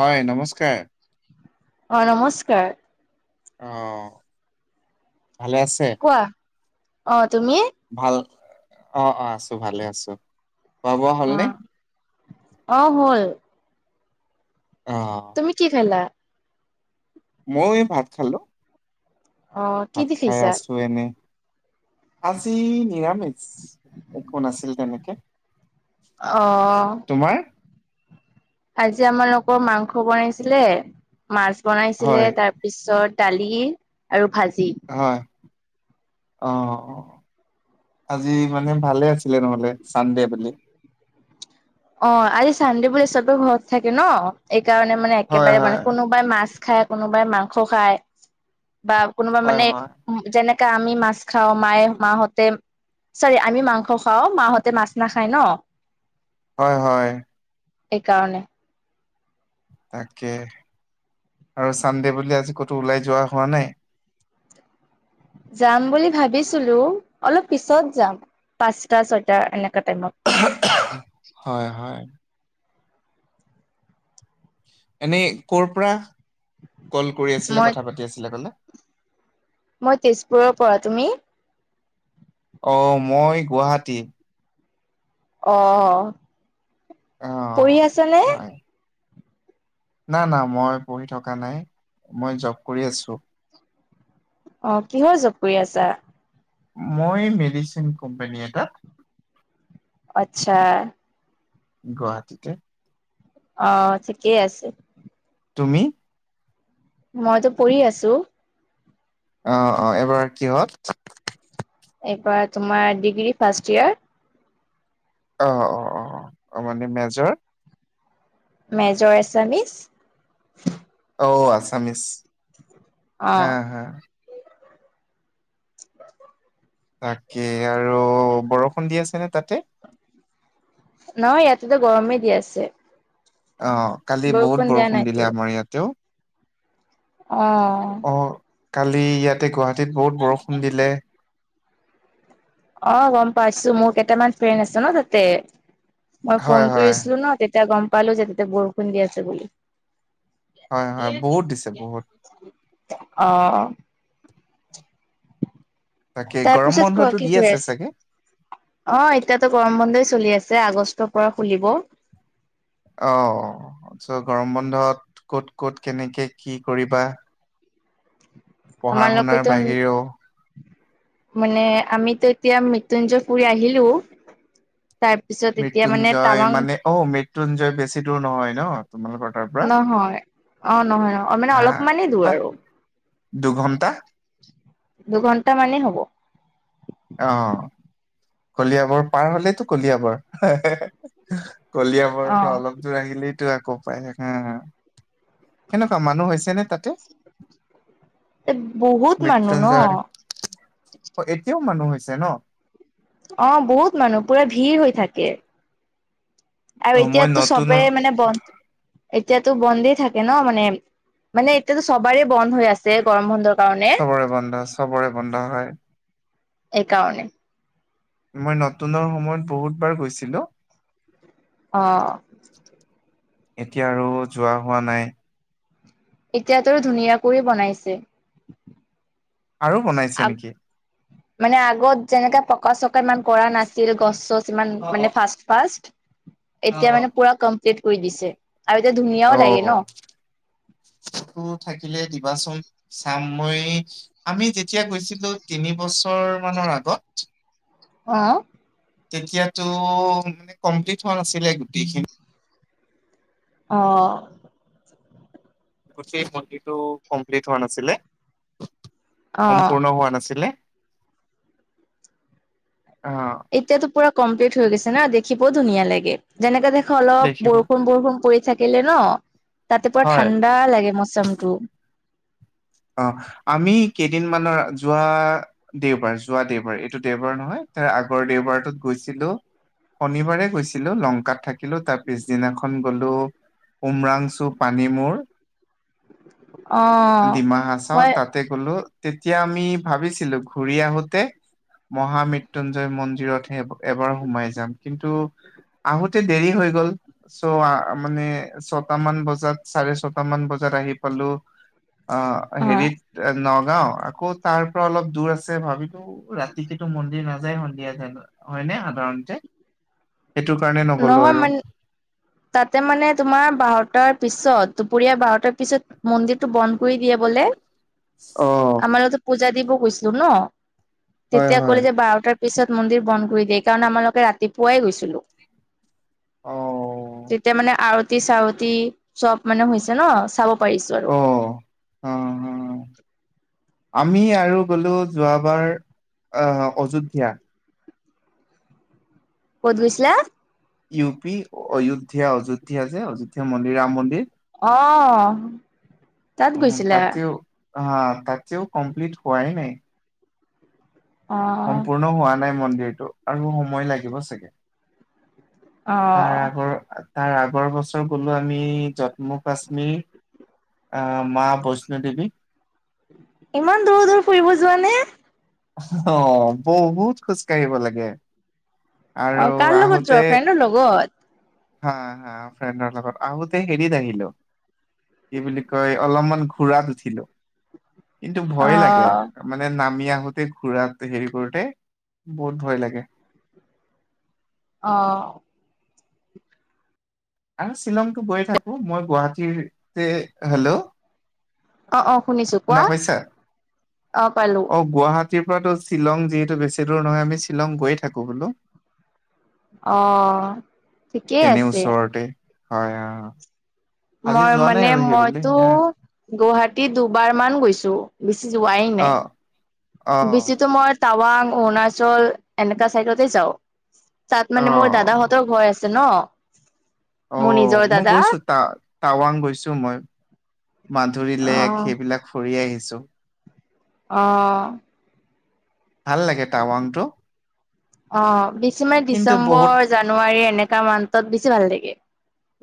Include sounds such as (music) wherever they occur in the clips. হয় নমস্কাৰ। অ নমস্কাৰ অ ভালে আছে। কোৱা অ তুমি? ভাল অ অ আছো ভালে আছো। খোৱা বোৱা অ হ'লনে অ হল। অ তুমি কি খালা? ময়ো এই ভাত খালো। অ কি ভাত দি খাই খাইছা আছো এনে। আজি নিৰামিষ একো নাছিল তেনেকে। অ। তোমাৰ? আজি আমালোকৰ মাংস বনাইছিলে, মাছ বনাইছিলে হয় তাৰ পিছত দালি আৰু ভাজি। হয়, অ আজি মানে ভালে আছিলে নহ'লে। ছানডে বুলি। অ আজি চানডে বোলে চবে ঘৰত থাকে ন এইকাৰণে মানে হয় একেবাৰে হয় মানে কোনোবাই মাছ খাই কোনোবাই মাংস খায় বা কোনোবাই হয় মানে হয় উম যেনেকা আমি মাছ খাওঁ, মায়ে মাহতে চাৰি আমি মাংস খাওঁ, মাহঁতে মাছ নাখায় ন? হয় হয়। এ কাৰণে। তাকে আৰু ছানডে বুলি আজি ক'তো ওলাই যোৱা হোৱা নাই? যাম বুলি ভাবিছিলো অলপ পিছত যাম, পাঁচটা ছয়টা এনেকা টাইমত। (unintelligible) হয় হয়। এনেই কৰ পৰা কল কৰি আছিলে মই কথা পাতি আছিলা এফালে? মই তেজপুৰৰ পৰা। তুমি? অ মই গুৱাহাটী। অ, পঢ়ি অ', আছা নে? হয়। না না মই পঢ়ি থকা নাই, মই জব কৰি আছো। অ কিহৰ জব কৰি আছা? মই মেডিচিন কোম্পানী এটাত। আচ্ছা। গুৱাহাটীতে। অ ঠিকেই আছে। তুমি? মইতো পঢ়ি আছো। অ অ এবাৰ কিহত? এইপাৰ তোমাৰ ডিগ্ৰী ফাৰ্ষ্ট ইয়েৰ। অ অ অ মানে মেজৰ? মেজৰ এছামিছ। ঔ আছামিছ অ হা হা। (inaudible) তাকে আৰু বৰষুণ দি আছে নে তাতে? নহয় ইয়াতেতো গৰমেই দি আছে। অ কালি বহুত দিয়া বৰষুণ নাইতো দিলে আমাৰ ইয়াতেও। অ। অ কালি ইয়াতে গুৱাহাটীত বহুত বৰষুণ দিলে। অ গম পাইছো, মোৰ কেইটামান ফ্ৰেণ্ড আছে ন তাতে, মই হয় ফোন হয়। কৰিছিলো ন তেত- তিয়া গম পালো যে তেতিয়া বৰষুণ দি আছে বুলি। হয় হয় বহুত দিছে বহুত। অ। তাকে তাৰ গৰম পাছত কোৱা বন্ধটো কি দি কৈ আছে চাগে? আছ- অ এতিয়াতো গৰম বন্ধই চলি আছে আগষ্টৰ পৰা খুলিব। অ চ গৰম বন্ধত ক'ত ক'ত কেনেকে কি কৰিবা? পঢ়া আমাৰ শুনাৰ লকৈতম বাহিৰেও মানে আমিতো এতিয়া মৃত্যুঞ্জয় ফুৰ আহিলো। তাইপ মৃত্যুঞ্জয় মানে অ মৃত্যুঞ্জয় বেছি দূৰ নহয় ন তোমালোকৰ তাৰ পৰা? নহয়। অ নহয় নহয় মানে অলপমানানে দূৰ আৰু। দুঘণ্টা। দুঘণ্টা মানে হব। অ। কলিয়াবৰ পাৰ হলেইটো কলিয়াবৰ (unintelligible) কলিয়াবৰৰ পৰা অ'। অলপ। যোৰ আহিলেটো আকৌ পায় সেকা- কেনেকুৱা মানুহ হৈছে নে তাতে? বহুত মানুহ ন মৃত্যুঞ্জয় অ এতিয়াও মানুহ হৈছে ন। অ বহুত মানুহ পুৰা ভিৰ হৈ থাকে। আৰু অ', মই এতিয়াতো নতুন চবেই মানে বন্ এতিয়াতো বন্ধেই থাকে ন মানে মানে এতিয়াতো সবাৰেই বন্ধ হৈ আছ। চবৰে বন্ধ চবৰে বন্ধ হয়। এইকাৰণে মই নতুনৰ সময়ত বহুত বাৰ গৈছিলো। অ এতিয়া আৰু যোৱা হোৱা নাই। এতিয়াতো ধুনীয়া কৰি বনাইছে। আৰু বনাইছে নেকি? মানে আগত যেনেকে পকা চকা ইমান কৰা নাছিল গছ চছ। সিমান অ', অ', মানে ফাৰ্ষ্ট ফাৰ্ষ্ট অ', এতিয়া অ'। মানে পুৰা কমপ্লিট কৰি দিছে আৰু এতিয়া ধুনীয়াও লাগে ন। অ', টো থাকিলে দিবাচোন চাম মই আমি যেতিয়া গৈছিলো তিনি বছৰ মানৰ আগত অ তেতিয়াতো মানে কমপ্লিট হোৱা নাছিলে গোটেইখিনি। অ গোটেইটো কনটিটো কম্পিলিত হোৱা নাছিলে। অ সম্পূৰ্ণ হোৱা নাছিলে আহ। এতিয়াতো পুৰা কমপ্লিট হৈ গৈছে না দেখিবও ধুনীয়া লাগে যেনেকে দেখ অলপ দেখিব বৰষুণ বৰষুণ পৰি থাকিলে ন তাতে পুৰা হয় ঠাণ্ডা লাগে মৌচমটো অ আমি কেইদিনমানৰ যোৱা দেওবাৰ যোৱা দেওবাৰ এইটো দেওবাৰ নহয় তাৰ আগৰ দেওবাৰটোত গৈছিলো। শনিবাৰে গৈছিলো লংকাত থাকিলো তাৰ পিছদিনাখন গলো। উমৰাংচু পানী মূৰ অ ডিমা হাচাও মই তাতে গলো। তেতিয়া আমি ভাবিছিলো ঘুৰি আহোতে মহামৃত্যুঞ্জয় মন্দিৰতহে এবাৰ সোমাই যাম। কিন্তু, আহোতে দেৰি হৈ গল। চ' মানে ছটা মান বজাত চাৰে ছটা মান বজাত আহি পালো। অ অ', হেৰিত নগাঁও আকৌ তাৰ পৰা অলপ দূৰ আছে ভাবিলো। ৰাতিতো মন্দিৰ নাযায় সন্ধিয়া যায় হয়নে সাধাৰণতে সেইটো কাৰণে নগ'লো নহয় আৰু মানে তাতে মানে তোমাৰ বাৰটাৰ পিছত দুপৰীয়া বাৰটাৰ পিছত মন্দিৰটো বন্ধ কৰি দিয়ে বোলে অ আমাৰ লগটো পূজা দিব গৈছিলো ন হয় তেতিয়া হয় ক'লে যে বাৰটাৰ পিছত মন্দিৰ বন্ধ কৰি দিয়ে কাৰণ আমালোকে ৰাতিপুৱাই গৈছিলো। অ তেতিয়া মানে আৰতি চাৱতি চব মানে হৈছে ন চাব পাৰিছো আৰু অ অ আমি আৰু গ'লো যোৱাবাৰ আহ অযোধ্যা। ক'ত গৈছিলা? ইউ পি অযোধ্যা অযোধ্যা যে অযোধ্যা মন্দিৰ ৰাম মন্দিৰ। অ তাত উ গৈছিলা তাতেও হা তাতেও কমপ্লিট হোৱাই নাই। অ', সম্পূৰ্ণ হোৱা নাই মন্দিৰটো আৰু সময় লাগিব চাগে। তাৰ অ'। আগৰ তাৰ আগৰ বছৰ গলো আমি জম্মু কাশ্মীৰ অ মা বৈষ্ণো দেৱী। ইমান দূৰ দূৰ ফুৰিব যোৱা নে? অ বহুত খোজ কাঢ়িব লাগে আৰু অ', কাৰ লগত আহোতে যোৱা ফ্ৰেণ্ডৰ লগত হা হা ফ্ৰেণ্ডৰ লগত। আহোতে হেৰিত আহিলো, কি বুলি কয় অলপমান ঘূৰাত উঠিলো। কিন্তু ভয় লাগে। অ', মানে নামি আহোতে ঘুৰাত হেৰি কৰোতে বহুত ভয় লাগে। অ। আৰু শ্বিলংতো গৈ থাকো। মই গুৱাহাটীটে, হেল্ল' অ অ শুনিছো। শুনা কোৱা পাইছা? অ পালো অ গুৱাহাটীৰ পৰাতো শ্বিলং যিহেতু বেছি দূৰ নহয়। আমি শ্বিলং গৈ থাকো হলো। অ ঠিকেই তেনে আছে। ওচৰতে হয় অ। আজি মই যোৱা নাই মানে আৰু সেইবুলি মইতো হ গুৱাহাটী দুবাৰ মান গৈছো, বেছি যোৱাই অ নাই। অ বেছিতো মই টাৱাং, অৰুণাচল এনেকা চাইডতে যাওঁ। তাত অ মানে মোৰ দাদাহঁতৰ ঘৰ আছে ন। অ মোৰ নিজৰ মই দাদা গৈছো ত টাৱাং গৈছো মই। মাধুৰি অ লেক সেইবিলাক ফুৰি আহিছো। অ। ভাল লাগে টাৱাংটো। অ বেছি মানে কিন্তু বহুত ডিচেম্বৰ জানুৱাৰী এনেকা মান্থত বেছি ভাল লাগে।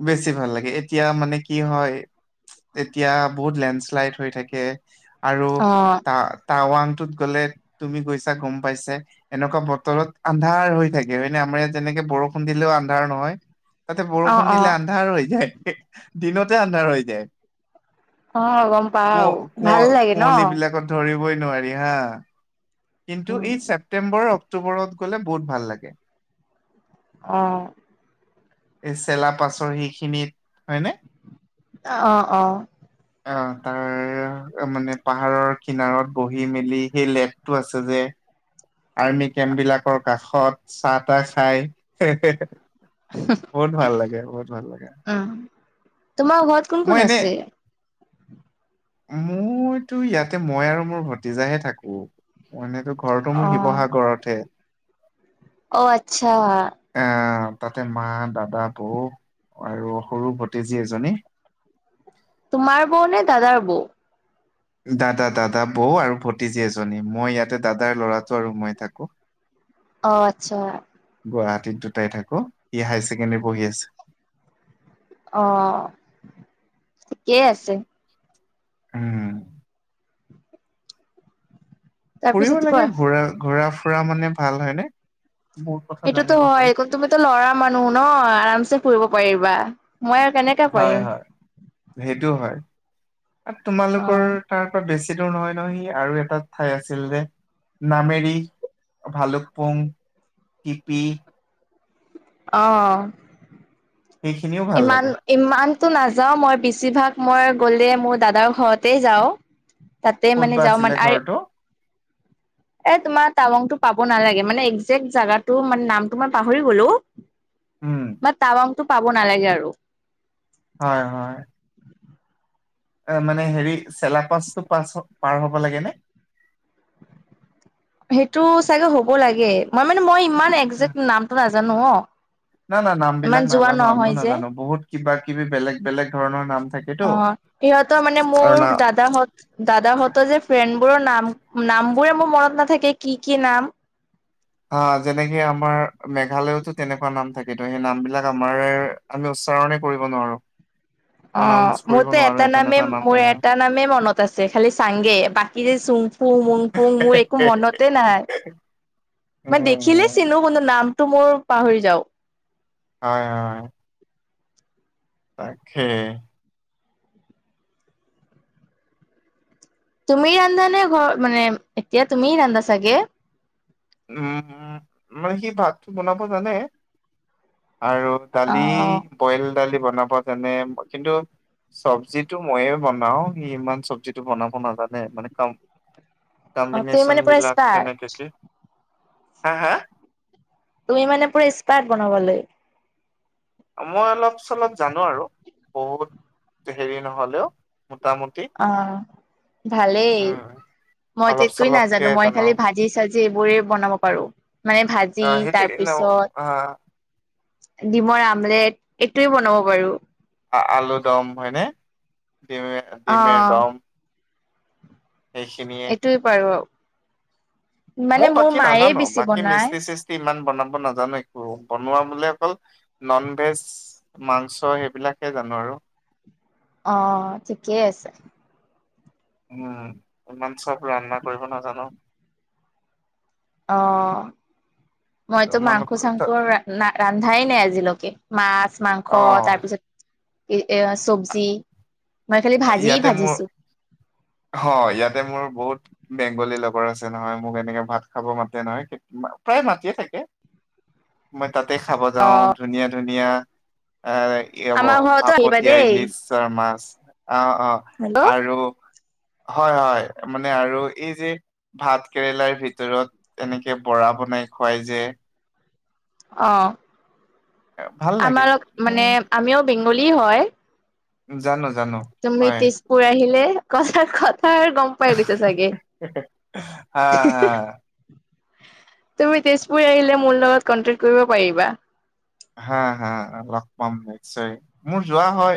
বেছি ভাল লাগে এতিয়া মানে কি হয় এতিয়া বহুত লেণ্ডশ্লাইড হৈ থাকে। আৰু অ তাত টাৱাংটোত গ'লে তুমি গৈছা গম পাইছাই। এনেকুৱা বতৰত আন্ধাৰ হৈ থাকে। মানে আমাৰ ইয়াত যেনেকে বৰষুণ দিলেও আন্ধাৰ নহয়। তাতে অ বৰষুণ অ দিলে আন্ধাৰ হৈ যায়। দিনতে আন্ধাৰ হৈ যায়। অ গম পাও কোঁৱ ভাল কোঁৱ লাগে ন কুঁৱলী বিলাকত ধৰিবই নোৱাৰি হা। কিন্তু উ ই ছেপটেম্বৰ অক্টোবৰত গ'লে বহুত ভাল লাগে। অ। এই চেলা পাচৰ সি খিনিত হয়নে? অ অ। অ তাৰ মানে পাহাৰৰ কিনাৰত বহি মেলি সেই লেগটো আছে যে। আৰ্মি কেম্প বিলাকৰ কাষত। চাহ তাহ খাই, হেহ হে হেহ বহুত ভাল লাগে বহুত ভাল লাগে। উম তোমাৰ ঘৰত কোন মই কোন আছে? মইতো ইয়াতে মই আৰু মোৰ ভতিজাহে থাকো। মানে তো ঘৰটো মোৰ অ', শিৱসাগৰতহে। অ আত্চ্ছা। আহ তাতে মা, দাদা, বৌ আৰু সৰু ভতিজী এজনী। তোমাৰ বৌ নে দাদাৰ বৌ? দাদা দাদা বৌ আৰু ভতিজী এজনী মই ইয়াতে দাদাৰ ল'ৰাটো আৰু মই থাকো। অ আত্চ্ছা। গুৱাহাটীত দুটাই থাকো। সি হায়াৰ ছেকেণ্ডেৰী পঢ়ি আছে। অ ঠিকেই আছে। উম। ফুৰিব তাৰপিছত লাগে কোৱা? ঘূৰা ঘূৰা ফুৰা মানে ভাল হয়নে? বহুত কথা সেইটোতো জানিব হয় পাৰি। তুমিতো লৰা মানুহ ন আৰামছে ফুৰিব পাৰিবা মই আৰু কেনেক হয়, হয় সেইটো হয় আৰু তোমালোকৰ অ', তাৰ পৰা বেছি দূৰ নহয় ন সি আৰু এটা ঠাই আছিল যে নামেৰি। ভালুকপুং টিপি অ, অ। সেইখিনিও ভাল ইমান লাগে ইমানটো নাযাও মই, বেছিভাগ মই গ'লে মোৰ দাদাৰ ঘৰতেই যাও। তাতে ক'ত মানে বা যাওঁ আছিলে মানে আৰু ঘৰটো এ তোমাৰ টাৱংটো পাব নালাগে। মানে একজেক্ট জাগাটো মানে নামটো মই পাহৰি গ'লো। উম বা টাৱাংটো পাব নালাগে আৰু। হয়, হয়। অ, মানে হেৰি চেলা পাচটো পাছ পাৰ হ'ব লাগে নে? সেইটো চাগে হ'ব লাগে। মই মানে মই ইমান একজেক্ট নামটো নাজানো অ, না না নাম ইমান বিলাক যোৱা নাজানো আমিও নহয় যে। নাজানো বহুত কিবা- কিবি বেলেগ বেলেগ ধৰণৰ নাম থাকে। অ, সিহঁতৰ মানে মোৰ দাদাহঁত দাদাহঁতৰ যে ফ্ৰেণ্ডবোৰৰ নাম নামবোৰে মোৰ মনত নাথাকে কি কি নাম। অ, যেনেকে আমাৰ মেঘালয়তো তেনেকুৱা নাম থাকেতো। সেই নামবিলাক আমাৰ আমি উচ্চাৰণে কৰিব নোৱাৰো। অ, প্ৰনাউন্স কৰিব মোৰতো নোৱাৰো এটা এই নামে তেনেকুৱা নাম মোৰ থাকে। এটা নামে মনত আছে খালি চাংগে। বাকী যে চুং ফুং, মুং ফুং মোৰ একো মনত তে নাই। মানে দেখিলে উম, চিনো কোনটো নামটো মোৰ পাহৰি যাও। হয়, হয়। তাকে। তুমি ৰান্ধা নে ঘৰত মানে এতিয়া তুমি ৰান্ধা চাগে? উম, উম মানে সি ভাতটো বনাব জানে আৰু অ দালি বইল দালি বনাব জানে, কিন্তু চব্জিটো মইয়ে বনাও। সি ইমান চব্জিটো বনাব নাজানে। মানে কাও অ তুমি মানে পুৰা কম্বিনেচনবিলাক কেনেকে স্পাৰ্ট কি, হা হা? তুমি মানে পুৰা স্পাৰ্ট বনাবলৈ। মই অলপ চলপ জানো আৰু বহুত হেৰি নহ'লেও মোটামুট অ ভালেই। উম মইতো অলপ একোৱেই চলপকে নাজানো। মই জানো খালি ভাজি-চাজি জিবোৰে বনাব পাৰো। মানে ভাজি আহ সেইটো ন তাৰপিছত আহ ডিমৰ আমলেট এইটোৱে বনাব পাৰো। আ আলু দম হয়নে? ডিমে অ ডিমেৰ দম। সেইখিনিয়ে এইটোৱে পাৰো আও। ময়ো মানে মোৰ বাকী মায়ে নাজানো বেছি বাকী বনায়। মিস্তি চিস্তি ইমান বনাব নাজানো একো। বনোৱা বুলি অকল ননভেজ মাংছ' সেইবিলাকে জানো আৰু। অ, ঠিকেই আছে। উম ইমান চব ৰান্ধা কৰিব নাজানো। অ, মইতো তোমালোক ত- মাংস-চাংস ৰা-ৰান্ধাই নাই আজিলৈকে। মাছ, অ মাংস তাৰপিছত এ চবজি ইয়াতে মোৰ হ ইয়াতে মোৰ বহুত বেংগলী লগৰ আছে নহয়। মোক এনেকে ভাত খাব মাতে নহয়, প্ৰায় মাতিয়ে থাকে। মই তাতে খাব যাও ধুনীয়া ধুনীয়া এ কি হ'ব আমাৰ ঘৰতো ভাপত আহিবা দিয়া দেই ইলিচৰ মাছ, অ অ। হেল্ল' আৰু হয় হয় মানে আৰু এই যে ভাত কেৰেলাৰ ভিতৰত এনেকে বৰা বনাই খুৱাই যে। অ। ভাল লাগে আমাৰ মানে উম, আমিও বেংগলী হয়। জানো, জানো। তুমি হয়। তেজপুৰ আহিলে কথাৰ কথাৰ গম পাই দিছে চাগে হা, (unintelligible) তুমি তেজপুৰ আহিলে মোৰ লগত কনটেক্ট কৰিব পাৰিবা। হা হা লগ পাম নিশ্চয় মোৰ যোৱা হয়।